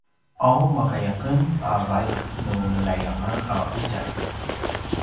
’aw makaya aken a vaik nu meljayanga a ’udjalj?